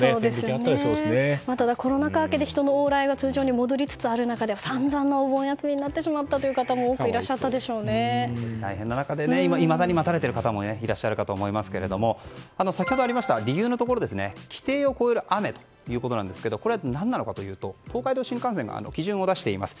あとはコロナ禍明けで人の往来が通常に戻りつつある中で散々なお盆休みになった方もいまだに待たれてる方もいらっしゃるかと思いますが先ほどありました理由が規定を超える雨ということですがこれは何なのかというと東海道新幹線は基準を出しています。